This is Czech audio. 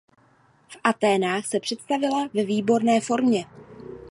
V Athénách se představila ve výborné formě.